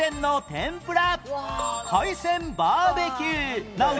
天ぷら。